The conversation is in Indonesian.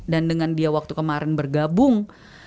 dan dengan dia waktu kemarin bergabung